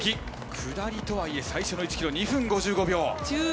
下りとはいえ、最初の１キロ、２分５５秒。